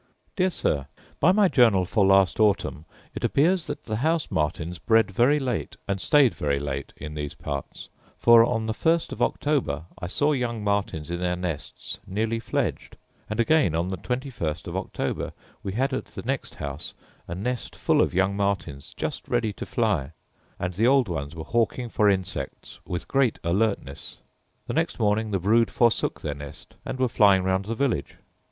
Dear Sir, By my journal for last autumn it appears that the house martins bred very late, and staid very late in these parts; for, on the first of October, I saw young martins in their nests nearly fledged; and again, on the twenty first of October, we had at the next house a nest full of young martins just ready to fly; and the old ones were hawking for insects with great alertness. The next morning the brood forsook their nest, and were flying round the village.